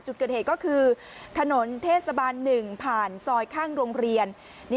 จุดเกิดเหตุก็คือถนนเทศบาล๑ผ่านซอยข้างโรงเรียน